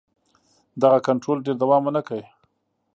دغه کنټرول ډېر دوام ونه کړ.